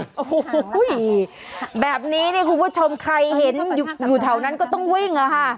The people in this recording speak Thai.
โอ้โหแบบนี้เนี่ยคุณผู้ชมใครเห็นอยู่แถวนั้นก็ต้องวิ่งอะค่ะ